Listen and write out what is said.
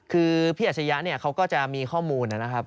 คือพี่อัชริยะเนี่ยเขาก็จะมีข้อมูลนะครับ